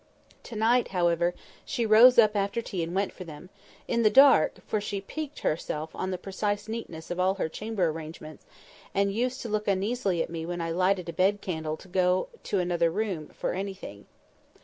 To night, however, she rose up after tea and went for them—in the dark; for she piqued herself on the precise neatness of all her chamber arrangements, and used to look uneasily at me when I lighted a bed candle to go to another room for anything.